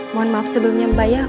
mohon maaf sebelumnya mbak ya